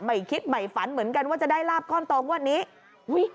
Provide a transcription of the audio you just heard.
ใหม่คิดใหม่ฝันเหมือนกันว่าจะได้ราบคล่อนตรงวดนี้